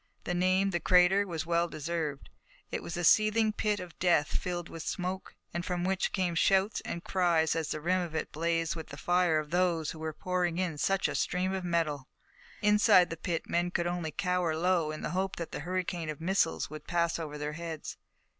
The name, the crater, was well deserved. It was a seething pit of death filled with smoke, and from which came shouts and cries as the rim of it blazed with the fire of those who were pouring in such a stream of metal. Inside the pit the men could only cower low in the hope that the hurricane of missiles would pass over their heads.